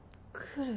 来る！